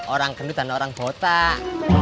orang gendut dan orang botak